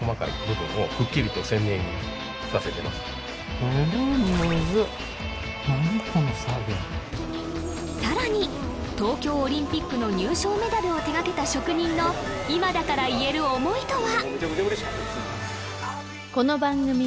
この作業さらに東京オリンピックの入賞メダルを手がけた職人の今だから言える思いとは？